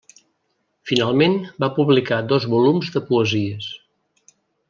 Finalment, va publicar dos volums de poesies.